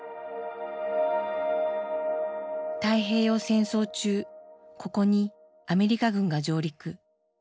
太平洋戦争中ここにアメリカ軍が上陸。